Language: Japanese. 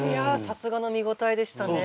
さすがの見応えでしたね